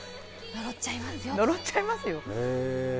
呪っちゃいますよって。